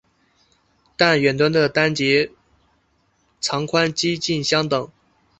但远端的节片长宽几近相等。